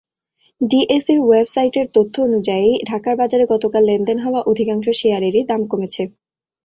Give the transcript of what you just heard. ডিএসইর ওয়েবসাইটের তথ্য অনুযায়ী, ঢাকার বাজারে গতকাল লেনদেন হওয়া অধিকাংশ শেয়ারেরই দাম কমেছে।